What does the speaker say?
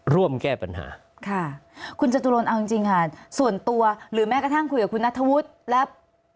ร่วมแก้ปัญหาค่ะคุณจตุรนเอาจริงจริงค่ะส่วนตัวหรือแม้กระทั่งคุยกับคุณนัทธวุฒิและ